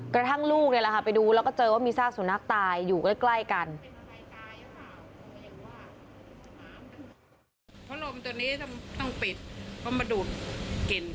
กระทั่งลูกนี่แหละค่ะไปดูแล้วก็เจอว่ามีซากสุนัขตายอยู่ใกล้กัน